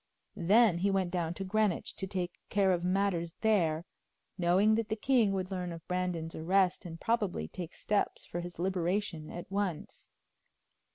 Then he went down to Greenwich to take care of matters there, knowing that the king would learn of Brandon's arrest and probably take steps for his liberation at once.